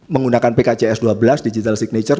menggunakan pkcs dua belas digital signature